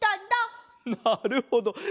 なるほど。